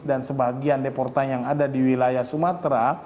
dan sebagian deportan yang ada di wilayah sumatera